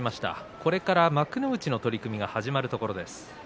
これから幕内の取組が始まるところです。